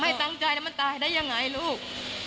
ตั้งใจแล้วมันตายได้ยังไงลูก